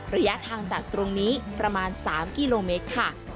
ระยะทางจากตรงนี้ประมาณ๓กิโลเมตรค่ะ